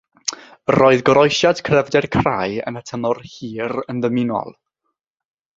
Roedd goroesiad cryfder crai, yn y tymor hir, yn ddymunol.